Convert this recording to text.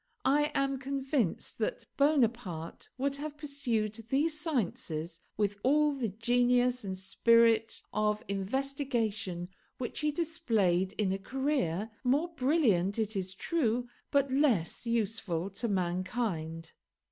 I am convinced that Bonaparte would have pursued these sciences with all the genius and spirit of investigation which he displayed in a career, more brilliant it is true, but less useful to mankind.